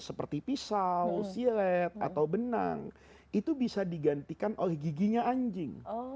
seperti pisau silet atau benang itu bisa digantikan oleh giginya anjing